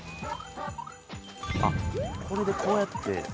あっこれでこうやって。